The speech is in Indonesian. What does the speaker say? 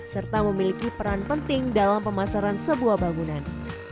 serta memiliki peran penting dalam pemasaran sebuah bangunan